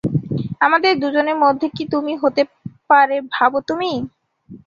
আমাদের দুজনের মধ্যে কি হতে পারে ভাবো তুমি?